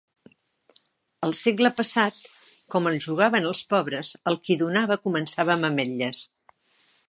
El segle passat, com el jugaven els pobres, el qui donava començava amb ametles.